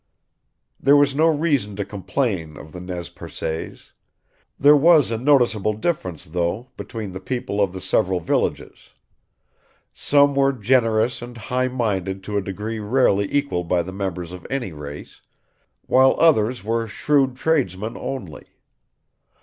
There was no reason to complain of the Nez Percés. There was a noticeable difference, though, between the people of the several villages. Some were generous and high minded to a degree rarely equaled by the members of any race, while others were shrewd tradesmen only.